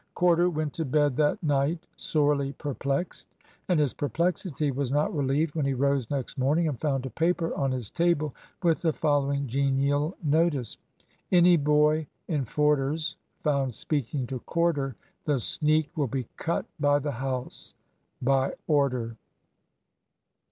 Corder went to bed that night sorely perplexed. And his perplexity was not relieved when he rose next morning and found a paper on his table with the following genial notice: "Any boy in Forder's found speaking to Corder the sneak will be cut by the house. By Order."